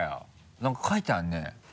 何か書いてあるね。